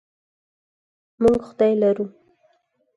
موږ خدای لرو.